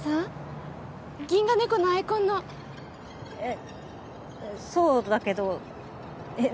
ギンガ猫のアイコンのえっそうだけどえっ